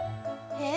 えっ？